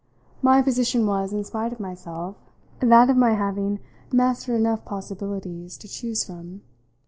My position was, in spite of myself, that of my having mastered enough possibilities to choose from.